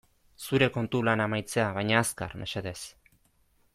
Zure kontu lana amaitzea baina azkar, mesedez.